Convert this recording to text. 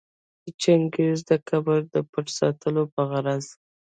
د چنګیز د قبر د پټ ساتلو په غرض